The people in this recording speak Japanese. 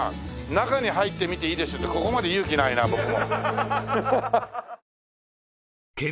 「中に入って見ていいですよ」ってここまで勇気ないな僕も。